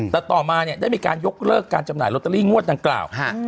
แต่ต่อมาเนี่ยได้มีการยกเลิกการจำหน่ายลอตเตอรี่งวดดังกล่าว